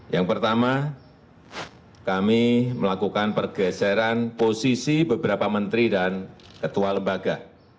yang pertama kami melakukan pergeseran posisi beberapa menteri dan ketua lembaga